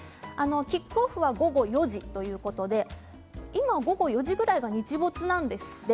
キックオフは午後４時ということで今、午後４時くらいが日没なんですって。